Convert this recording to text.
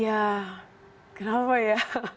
ya kenapa ya